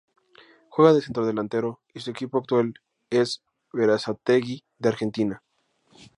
Juega de centrodelantero y su equipo actual es Berazategui de Argentina.